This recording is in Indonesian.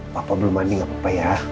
papa belum mandi gak apa apa ya